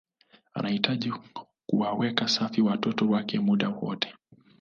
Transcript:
anajitahidi kuwaweka safi watoto wake muda wote